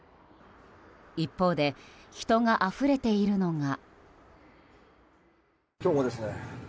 一方で人があふれているのが。